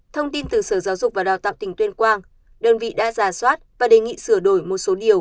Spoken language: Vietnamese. thông tin từ sở giáo dục và đào tạo tỉnh tuyên quang đơn vị đã giả soát và đề nghị sửa đổi một số điều